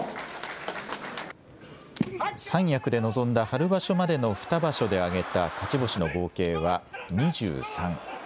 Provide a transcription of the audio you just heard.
三役で臨んだ春場所までの２場所で挙げた勝ち星の合計は２３。